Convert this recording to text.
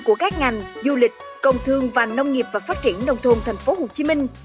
của các ngành du lịch công thương và nông nghiệp và phát triển nông thôn thành phố hồ chí minh